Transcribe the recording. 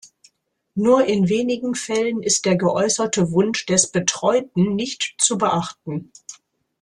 Nur in wenigen Fällen ist der geäußerte Wunsch des Betreuten nicht zu beachten.